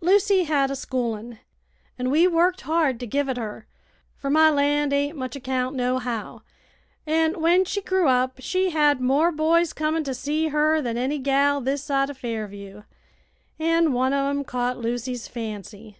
"Lucy had a schoolin', an' we worked hard to give it her, fer my land ain't much account, nohow. An' when she grew up she had more boys comin' to see her than any gal this side o' Fairview, an' one o' 'em caught Lucy's fancy.